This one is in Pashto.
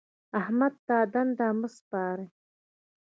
احمد ته دنده مه سپارئ.